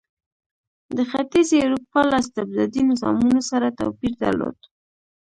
د ختیځې اروپا له استبدادي نظامونو سره توپیر درلود.